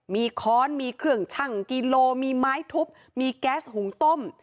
มีค้อนมีเครื่องชั่งกิโลมีไม้ทุบมีแก๊สหุงต้ม